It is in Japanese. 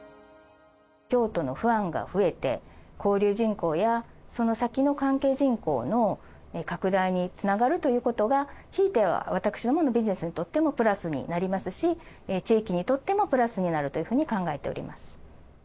京都のファンが増えて、交流人口やその先の関係人口の拡大につながるということが、ひいては私どもビジネスにとってもプラスになりますし、地域にとってもプラスになるというふうに考えております。